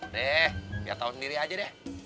nih biar tau sendiri aja deh